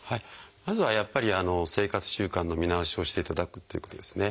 まずはやっぱり生活習慣の見直しをしていただくっていうことですね。